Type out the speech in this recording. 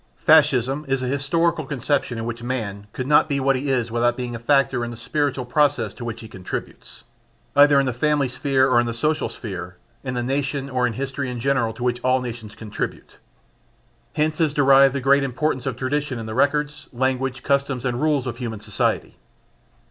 Fascism is an historical conception in which man could not be what he is without being a factor in the spiritual process to which he contributes, either in the family sphere or in the social sphere, in the nation or in history in general to which all nations contribute. Hence is derived the great importance of tradition in the records, language, customs and rules of human society.